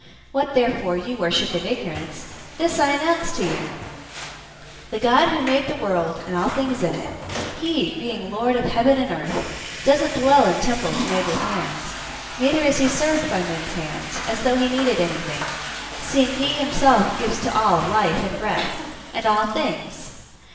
What therefore you worship in ignorance, this I announce to you. 017:024 The God who made the world and all things in it, he, being Lord of heaven and earth, doesn't dwell in temples made with hands, 017:025 neither is he served by men's hands, as though he needed anything, seeing he himself gives to all life and breath, and all things.